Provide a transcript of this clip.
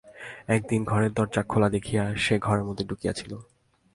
একদিন ঘরের দরজা খোলা দেখিয়া সে ঘরের মধ্যে ঢুকিয়াছিল।